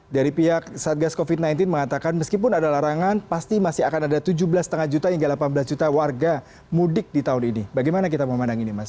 dari pihak satgas covid sembilan belas mengatakan meskipun ada larangan pasti masih akan ada tujuh belas lima juta hingga delapan belas juta warga mudik di tahun ini bagaimana kita memandang ini mas